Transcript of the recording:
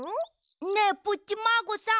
ねえプッチマーゴさん！